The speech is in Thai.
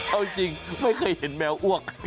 เอาจริงไม่เคยเห็นแมวอ้วก